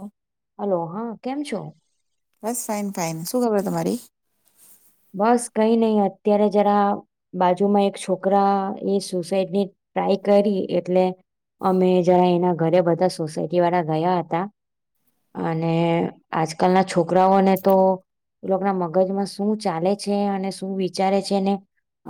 હ હલો હા કેમ છો? બસ ફાઈન ફાઈન શું ખબર તમારી? બસ કઈ નહીં અત્યારે જરા બાજુમાં એક છોકરા એ સોસાઇડ ની ટ્રાય કરી એટલે અમે જરા એના ઘરે બધા સોસાયટી વાળા ગયા હતા અને આજકાલના છોકરાઓને તો એ લોક ના મગજમાં શું ચાલે છે અને શું વિચારે છે ને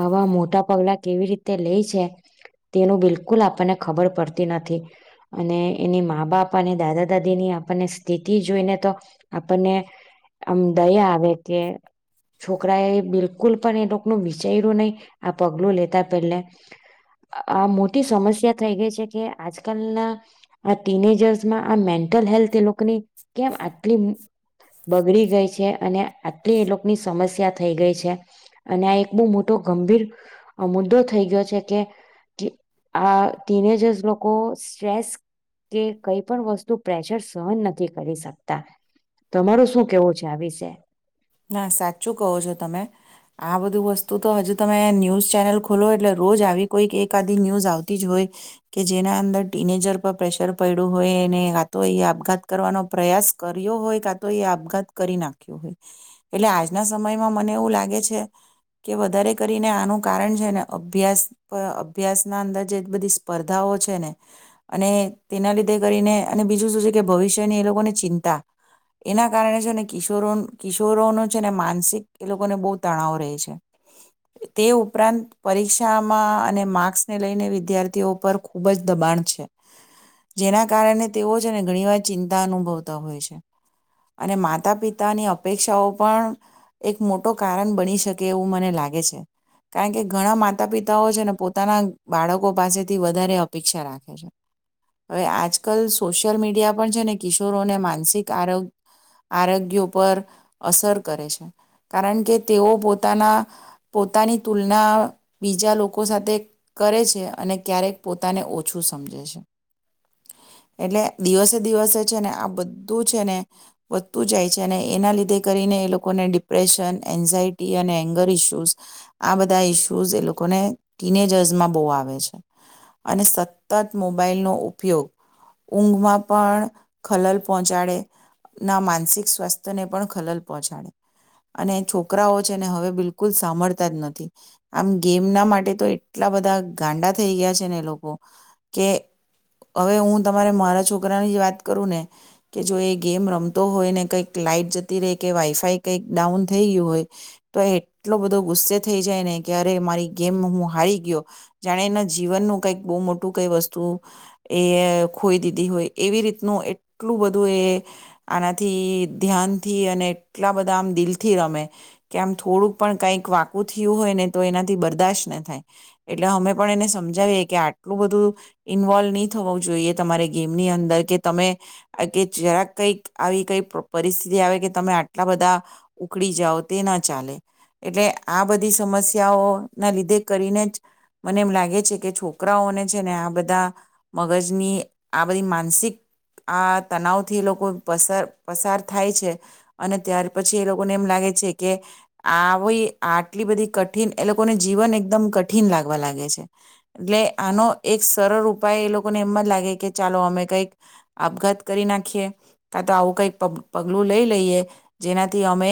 આવા મોટા પગલા કેવી રીતે લે છે તેનું બિલકુલ આપણને ખબર પડતી નથી. અને એની મા બાપ અને દાદા દાદીની આપણને સ્થિતિ જોઈને તો આપણને આમ દયા આવે કે છોકરા એ બિલકુલ પણ એ લોકોનું વિચાર્યું નહી આ પગલું લેતા પહેલે. આ મોટી સમસ્યા થઈ ગઈ છે કે આજકાલના આ ટીનેજર્સમાં આ મેન્ટલ હેલ્થ એ લોકોની કેમ આટલી બગડી ગઈ છે અને આટલી એ લોક ની સમસ્યા થઈ ગઈ છે. અને આ એક બહુ મોટો ગંભીર મુદ્દો થઈ ગયો છે કે ટી આહ ટીનેજર્સ લોકો સ્ટ્રેસ કે કઈ પણ વસ્તુ પ્રેશર સહન નથી કરી શકતા. તમારો શું કેવું છે આ વિશે? ના સાચું કહો છો તમે. આ બધું વસ્તુ તો હજુ તમે ન્યૂઝ ચેનલ ખોલો એટલે રોજ આવી કોઈક એક આદ ન્યૂઝ આવતી જ હોય કે જેના અંદર ટીનેજર પર પ્રેશર પડ્યું હોયને એને એ આતો એ આપઘાત કરવાનો પ્રયાસ કર્યો હોય કા તો એ આપઘાત કરી નાખ્યો હોય. એટલે આજના સમયમાં મને એવું લાગે છે કે વધારે કરીને આનું કારણ છે ને અભ્યાસ પ અભ્યાસ ના અંદર જે બધી સ્પર્ધાઓ છે ને અને તેના લીધે કરીને અને બીજું શું છે કે ભવિષ્યની એ લોકોની ચિંતા એના કારણે છે ને કિશોરો કિશોરોનો છે ને માનસિક એ લોકોને બહુ તણાવ રહે છે. તે ઉપરાંત પરીક્ષામાં અને માર્ક્સ ને લઈને વિદ્યાર્થીઓ પર ખુબજ દબાણ છે. જેના કારણે તેઓ છેને ઘણીવાર ચિંતા અનુભવતા હોય છે. અને માતા પિતાની અપ પેક્ષાઓ પણ એક મોટો કારણ બની શકે એવું મને લાગે છે. કારણ કે ઘણા માતા પિતાઓ છે ને પોતાના બાળકો પાસેથી વધારે અપેક્ષા રાખે છે. હવે આજકાલ સોશિયલ મીડિયા પણ છે ને કિશોરોને માનસિક આરોગ-આરોગ્ય ઉપર અસર કરે છે. કારણ કે તેઓ પોતાના પોતાની તુલના બીજા લોકો સાથે કરે છે અને ક્યારેક પોતાને ઓછું સમજે છે. એટલે દિવસે દિવસે છે ને આ બધું છે ને વધતું જાય છે અને એના લી ધે તે કરીને એ લોકોને ડિપ્રેશન એન્ઝાયટી અને એંગર ઇસ્યુઝ આ બધા ઇશ્યુઝ એ લોકોને ટીનેજર્સમાં બહુ આવે છે. અને સતત મોબાઈલનો ઉપયોગ ઊંઘમાં પણ ખલલ પહોંચાડે ના માનસિક સ્વાસ્થ્યને પણ ખલલ પહોંચાડે અને છોકરાઓ છે ને હવે બિલકુલ સાંભળતા જ નથી. આમ ગેમના માટે તો એટલા બધા ગાંડા થઈ ગયા છે ને લોકો કે હવે હું તમારે મારા છોકરાની જ વાત કરું ને કે જો એ ગેમ રમતો હોય ને કઈક લાઈટ જ તે દે કે વાઈફાઈ કંઈક ડાઉન થઈ ગયું હોય તો એટલો બધો ગુસ્સે થઈ જાય ને કે અરે મારી ગેમ હું હારી ગયો જાણે એના જીવનનું કઈક બહુ મોટું કઈ વસ્તુ એ ખોઈ દીધી હોય એવી રીતનું એટલું બધું એ આનાથી ધ્યાન થી અને એટલા બધા આમ દિલ થી રમે કે આમ થોડુંક પણ કઈક વાકું થયું હોય ને તો એનાથી બરદાશત ન થાય. એટલે અમે પણ એને સમજાવીએ કે આટલું બધું ઇન્વોલ્વ નહી થવું જોઈએ તમારે ગેમની અંદર કે તમે કે જરાક કઈક આવી કઈ પ્ર-પરિસ્થિતિ આવે કે તમે આટલા બધા ઉકડી જાઓ તે ના ચાલે. એટલે આ બધી સમસ્યાઓ ના લીધે કરીને જ મને એમ લાગે છે કે છોકરાઓને છે ને આ બધા મગજની આ બધી માનસિક આ તનાવ થી એ લોકો પસર-પસાર થાય છે અને ત્યાર પછી એ લોકોને એમ લાગે છે કે આવી આટલી બધી કઠિન એ લોકોને જીવન એકદમ કઠિન લાગવા લાગે છે. એટલે આનો એક સરળ ઉપાય એ લોકોને એમમાં જ લાગે કે ચાલો અમે કઈક આપઘાત કરી નાખીએ કા તો આવું કઈક પગ-પગલું લઈ લે લઈએ જેનાથી અમે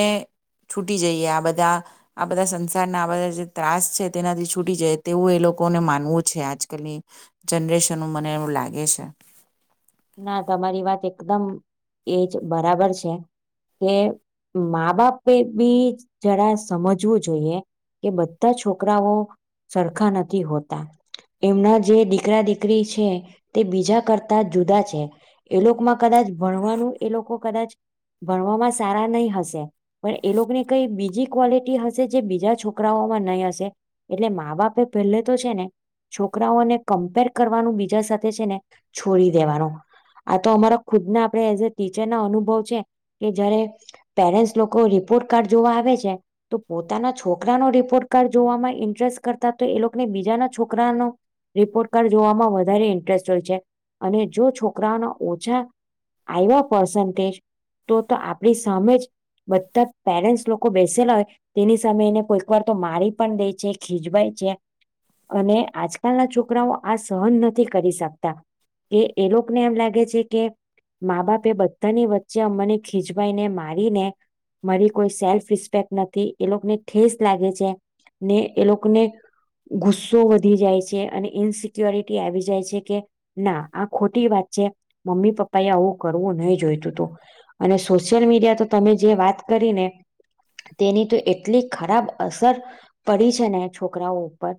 છૂટી જઈએ આ બધા આ બધા સંસારના આ બધા જે ત્રાસ છે તેનાથી છૂટી જઈ તેવું એ લોકોને માનવું છે આજકાલની જનરેશન મને એવું લાગે છે. ના તમારી વાત એકદમ એજ બરાબર છે કે મા બાપ પે બી જરા સમજવું જોઈએ કે બધા છોકરાઓ સરખા નથી હોતા એમના જે દીકરા દીકરી છે તે બીજા કરતા જુદા છે. એ લોકોમાં કદાચ ભણવાનું એ લોકો કદાચ ભણવામાં સારા નહી હશે પણ એ લોકોને કઈ બીજી ક્વોલિટી હશે જે બીજા છોકરાઓમાં નહીં હશે એટલે મા બાપે પહેલે તો છે ને છોકરાઓને કમ્પેર કરવાનું બીજા સાથે છે ને છોડી દેવાનું. આ તો અમારા ખુદના આપણે એઝ એ ટીચર ના અનુભવ છે કે જયારે પેરેન્ટ્સ લોકો રિપોર્ટ કાર્ડ જોવા આવે છે તો પોતાના છોકરાનો રિપોર્ટ કાર્ડ જોવામાં ઇન્ટરેસ્ટ કરતા તો એ લોકોને બીજાના છોકરાનો રિપોર્ટ કાર્ડ જોવામાં વધારે ઇન્ટરેસ્ટ હોય છે અને જો છો કરાઓના ઓછા આવ્યા પસન્ટેજ તો તો આપણી સામે જ બધા પેરેન્ટસ લોકો બેસેલા હોય તેની સામે એને કોઈક વાર તો મારી પણ દે છે ખીજવાય છે અને આજકાલના છોકરાઓ આ સહન નથી કરી શકતા કે એ લોક ને એમ લાગે છે કે મા બાપ એ બધાની વચ્ચે અને ખીજવાઈને મારીને મારી કોઈ સેલ્ફ રિસ્પેક્ટ નથી એ લોકોને ઠેસ લાગે છે ને એ લોકોને ગુસ્સો વધી જાય છે અને ઇનસિક્યોરિટી આવી જાય છે કે ના આ ખો ટી વાત છે મમ્મી પપ્પા એ આવું કરવું નહી જોઈતું હતું અને સોશિયલ મીડિયા તો તમે જે વાત કરી ને તેની તો એટલી ખરાબ અસર પડી છે ને છોકરાઓ ઉપર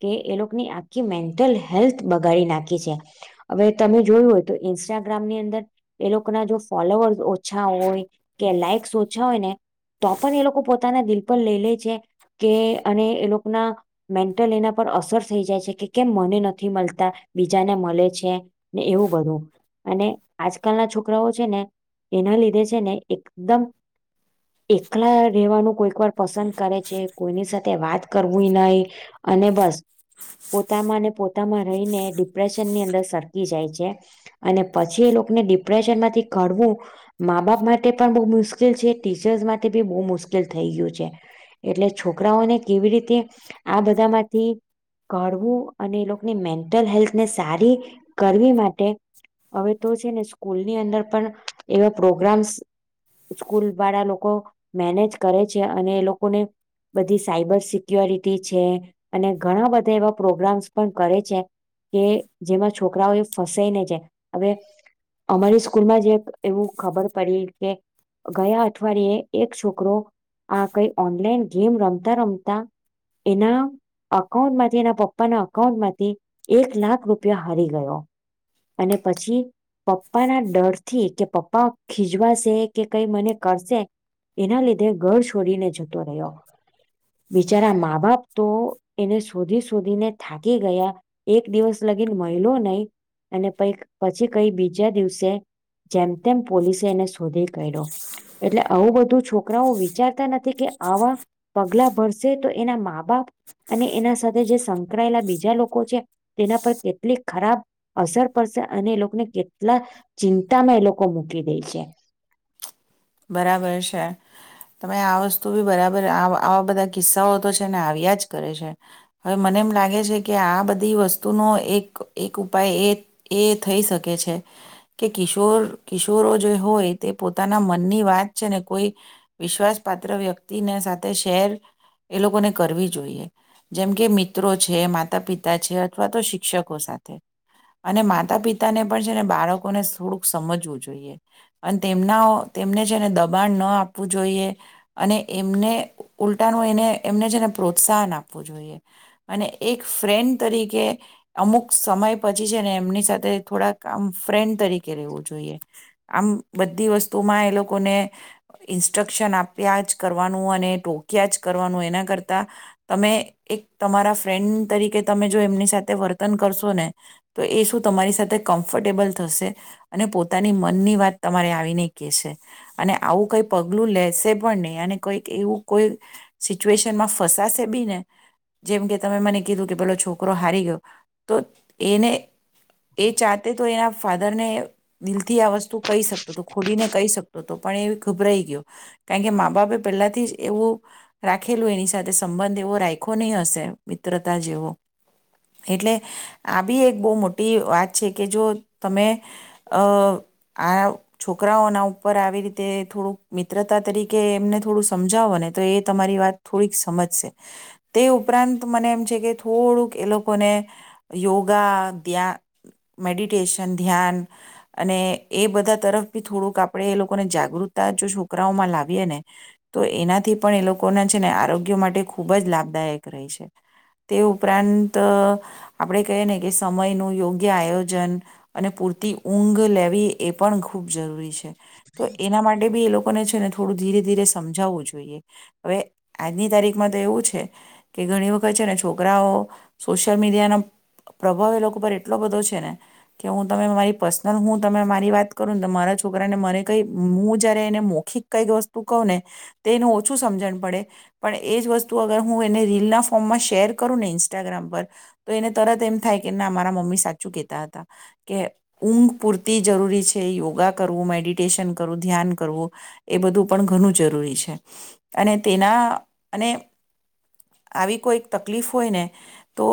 કે એ લોકોની આખી મેન્ટલ હેલ્થ બગાડી નાખી છે. હવે તમે જોયું હોય તો ઇન્સ્ટાગ્રામની અંદર એ લોકોના જો ફોલોવર્સ ઓછા હોય કે લાઈક્સ ઓછા હોય ને તો પણ એ લોકો પોતાના દિલ પર લઈ લે છે કે અને એ લોકોના મેન્ટલ એના પર અસર થઈ જાય છે કે કેમ મને નથી મલતા બીજાને મલે છે. ને એવું બધું અને આજકાલના છોકરાઓ છે ને એના લીધે છે ને એકદમ એકલા રહેેવાનું કોઈ ક વાર પસંદ કરે છે. કોઈની સાથે વાત કરવી નહી અને બસ પોતામાં અને પોતામાં રહીને ડિપ્રેશન ની અંદર સર કી જાય છે અને પછી એ લોકોને ડિપ્રેશન માંથી કાઢવું મા બાપ માટે પણ બહુ મુશ્કેલ છે ટીચર્સ માટે બી બહુ મુશ્કેલ થઈ ગયું છે. એટલે છોકરાઓને કેવી રીતે આ બધામાંથી કઢવું અને એ લોકોની મેન્ટલ હેલ્થ ને સારી કરવી માટે હવે તો છે ને સ્કૂલની અંદર પણ એવા પ્રોગ્રામ્સ સ્કૂલ વાળા લોકો મેનેજ કરે છે અને એ લોકોને બધી સાયબર સિક્યોરિટી છે અને ઘણા બધા એવા પ્રોગ્રામ્સ પણ કરે છે કે જેમાં છોકરાઓ એ ફસાઈ નહીં જાએ. હવે અમારી સ્કૂલમાં જ એક એવું ખબર પડી કે ગયા અઠવાડિયે એક છોકરો આ કઈ ઓનલાઈન ગેમ રમતા રમતા એના અકાઉન્ટ માંથી એના પપ્પાના અકાઉન્ટમાંથી એક લાખ રૂપિયા હરી ગયો અને પછી પપ્પાના ડરથી કે પપ્પા ખીજવાશે કે કઈ મને કરશે એના લીધે ઘર છોડીને જતો રહ્યો. બિચારા મા બાપ તો એને શોધી શોધીને થાકી ગયા એક દિવસ લગીન મહિલો નહી અને પક પછી કઈ બીજા દિવસે જેમ તેમ પોલીસે એને શોધી કૈડો. એટલે આવું બધું છો કરાઓ વિચારતા નથી કે આવા પગલા ભરસે તો એના મા બાપ અને એના સાથે જે સંકળાયેલા બીજા લોકો છે તેના પર કે ટલી ખરાબ અસર પડશે અને એ લોકોને કેટલા ચિંતામાં એ લોકો મૂકી દે છે. બરાબર છે. તમે આ વસ્તુ બી બરાબર આવ-આવા બધા કિસ્સાઓ તો છે ને આવ્યા જ કરે છે. હવે મને એમ લાગે છે કે આ બધી વસ્તુનો એક એક ઉપાય એ એ થઈ શકે છે કે કિશોર કિશોરો જે હોય તે પોતાના મ ની વાત છેને કોઈ વિશ્વાસ પાત્ર વ્યક્તિને સાથે શેર એ લોકોને કરવી જોઈએ. જેમ કે મિત્રો છે, માતા પિતા છે, અથવા તો શિક્ષકો સાથે. અને માતા પિતાને પણ છે ને બાળકોને થોડુંક સમજવું જોઈએ અને તેમના ઓ તેમને છેને દબાણ ન આપવું જોઈએ અને એમને ઉલટાનું એને એમને છેને પ્રોત્સાહન આપવું જોઈએ. અને એક ફ્રેન્ડ તરીકે અમુક સમય પછી છે ને એમની સાથે થોડાક આમ ફ્રેન્ડ તરીકે રહેવું જોઈએ. આમ બધી વસ તુંમાં એ લોકોને ઇન્સ્ટ્રક્શન આપ્યા જ કરવાનું અને ટોક્યા જ કરવાનું એના કરતા તમે એક તમારા ફ્રેન્ડ તરીકે તમે જો એમની સાથે વર્તન કરશો ને તો એ શું તમારી સાથે કમ્ફર્ટેબલ થશે અને પોતાની મનની વાત તમારે આવીને કે છે. અને આવું કઈ પગલું લેશે પણ નહી અને કઈક એવું કોઈ સિચ્યુએશનમાં ફસાશે બી ને જેમકે તમે મને કીધું કે પેલો છોકરો હારી ગયો. તો એને એ ચાતે તો એના ફા દર ને દીલ થી આ વસ્તુ કહી શકતો તું ને કહી શકતો હતો પણ એ ગભરાઈ ગયો કારણ કે મા બાપે પહેલાથી જ એવું રાખેલું એની સાથે સંબંધ એવો રાખો નહી હશે મિત્રતા જેવો એટલે આ બી એક બહુ મોટી વાત છે કે જો તમે અ આ છોકરાઓના ઉપર આવી રીતે થોડુંક મિત્રતા તરીકે એમને થોડું સમજાવો ને તો એ તમારી વાત થોડીક સમજશે તે ઉપરાંત મને એમ છે કે થોડુંક એ લોકોને યોગા ધ્યા મેડિટેશન ધ્યાન અને એ બધા તરફ થોડુંક આપણે એ લોકોને જાગૃતતા જો છોકરાઓમાં લાવીએ ને તો એનાથી પણ એ લોકોના છે ને આરોગ્ય માટે ખૂબ જ લાભદાયક રહે છે તે ઉપરાંત આપણે કહીએ ને કે સમયનું યોગ્ય આયોજન અને પૂરતી ઊંઘ લેવી એ પણ ખૂબ જરૂરી છે છે તો એના માટે બી એ લોકોને છે ને થોડું ધીરે ધીરે સમજાવવું જોઈએ હવે આજની તારીખમાં તો એવું છે કે ઘણી વખત છે ને છોકરાઓ સોશિયલ મીડિયાનો પ્રભાવ એ લોકો પર એટલો બધો છે ને કે હું તમે મારી પર્સનલ હું તમે મારી વાત કરું ને મારા છોકરાને મારે કઈ હું જયારે એને મૌખિક કઈક વસ્તુ કહું ને તો એનું ઓછું સમજણ પડે પણ એજ વસ્તુ હું એને રીલના ફોર્મમાં શેર કરું ને ઈન્સ્ટાગ્રામ પર તો એને તરત એમ થાય કે ના મારા મમ્મી સાચું કહેતા હતા કે ઊંઘ પૂરતી જરૂરી છે કે યોગા કરવું મેડિટેશન કરવું ધ્યાન કરવું એ બધું પણ ઘણું જરૂરી છે અને તેના અને આવી કોઈ તકલીફ હોય ને તો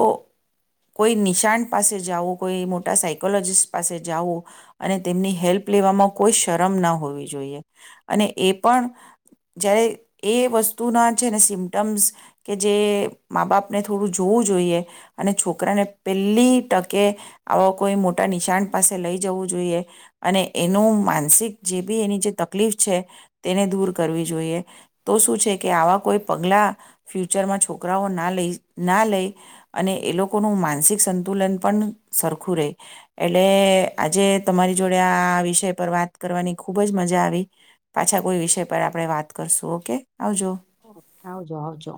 કોઈ નિશાાન પાસે જવું કોઈ મોટા સાયકોલોજીસ્ટ પાસે જવું અને તે તેમની હેલ્પ લેવામાં કોઈ શરમ ન હોવી જોઈએ અને એ પણ જ્યારે એ વસ્તુના છે ને સિમટમ્સ કે જે મા બાપને થોડું જોવું જોઈએ અને છોકરાને પહેલી ટકે આવા કોઈ મોટા નિશાન પાસે લઈ જવું જોઈએ તે અને એનું માનસિક જે બી એની જે તકલીફ છે તેને દૂર કરવી જોઈએ તો શું છે કે આવા કોઈ પગલાં ફ્યુચરમાં છોકરાઓ ના લઈ ના લઈ અને એ લોકોનું માનસિક સંતુલન પણ સરખું રહે એટલે આજે તમારી જોડે આ વિષય પર વાત કરવાની ખૂબ જ મજા આવી પાછા કોઈ વિષય પર આપણે વાત કરશું ઓકે આવજો આવજો આવજો